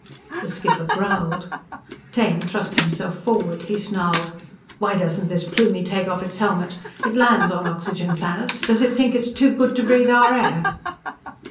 _" The skipper growled. Taine thrust himself forward. He snarled: "Why doesn't this Plumie take off its helmet? It lands on oxygen planets! Does it think it's too good to breathe our air?"